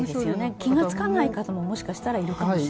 気がつかない方も、もしかしたらいるかもしれない？